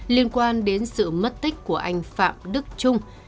liên quan đến sự mất tích của anh phạm đức trung